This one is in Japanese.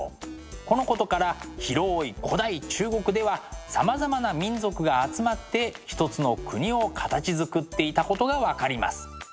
このことから広い古代中国ではさまざまな民族が集まって一つの国を形づくっていたことが分かります。